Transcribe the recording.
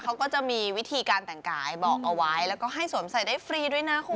เขาก็จะมีวิธีการแต่งกายบอกเอาไว้แล้วก็ให้สวมใส่ได้ฟรีด้วยนะคุณ